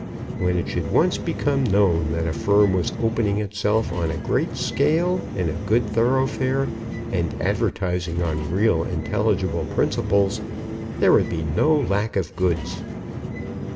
When it should once become known that a firm was opening itself on a great scale in a good thoroughfare, and advertising on real, intelligible principles, there would be no lack of goods.